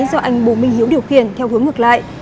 do anh bùi minh hiếu điều khiển theo hướng ngược lại